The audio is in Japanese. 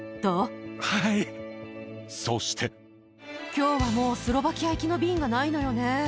きょうはもう、スロバキア行きの便がないのよね。